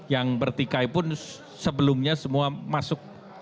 yang bertikaipun sebelumnya semua masuk